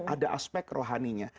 ada aspek rohaninya